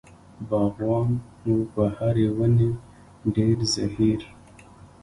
باغبان و په هرې ونې ډېر زهیر.